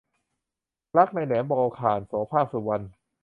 รักในแหลมบอลข่าน - โสภาค สุวรรณ